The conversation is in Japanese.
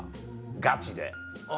ガチで。